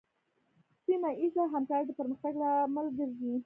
سیمه ایزه همکارۍ د پرمختګ لامل ګرځي.